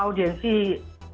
audiensi dengan kami